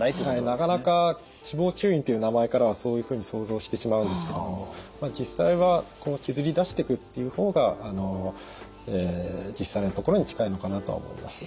なかなか脂肪吸引という名前からはそういうふうに想像してしまうんですけれどもまあ実際はこう削り出してくっていう方が実際のところに近いのかなとは思います。